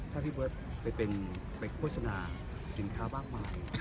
ถ้าพี่เบิร์ตไปโฆษณาสินค้ามากมาย